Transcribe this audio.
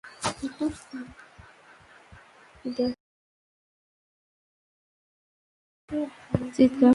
চিৎকার করো না, বানি।